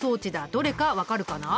どれか分かるかな？